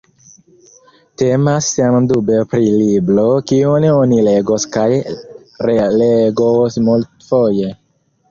Temas sendube pri libro, kiun oni legos kaj relegos multfoje.